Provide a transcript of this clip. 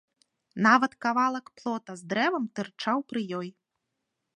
Нават кавалак плота з дрэвам тырчаў пры ёй.